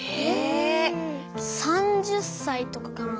３０歳とかかな？